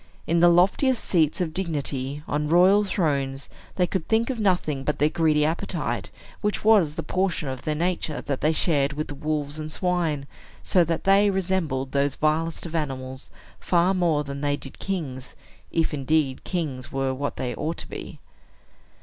In the loftiest seats of dignity, on royal thrones, they could think of nothing but their greedy appetite, which was the portion of their nature that they shared with wolves and swine; so that they resembled those vilest of animals far more than they did kings if, indeed, kings were what they ought to be.